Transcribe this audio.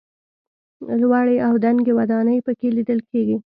لوړې او دنګې ودانۍ په کې لیدل کېږي.